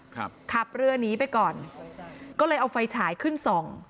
ขับเรือหนีไปก่อนก็เลยเอาไฟฉายขึ้นส่อง